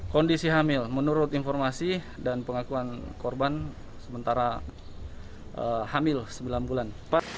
kondisi hamil menurut informasi dan pengakuan korban sementara hamil sembilan bulan